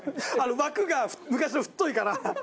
枠が昔の太いから。